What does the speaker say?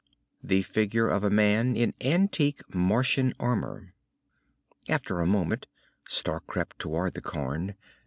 The figure of a man in antique Martian armor. After a moment, Stark crept toward the cairn.